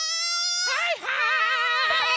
はいはい！